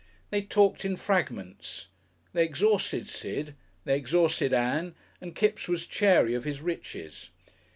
They talked in fragments. They exhausted Sid, they exhausted Ann, and Kipps was chary of his riches.